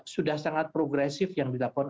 sudah sangat progresif yang dilakukan